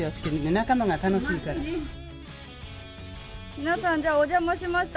皆さんお邪魔しました。